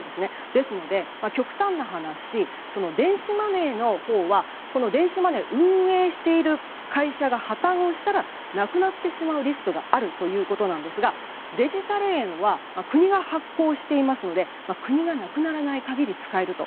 ですので、極端な話電子マネーのほうは電子マネーを運営している会社が破綻したら、なくなってしまうリスクがあるということですがデジタル円は国が発行していますので国がなくならない限り使えると。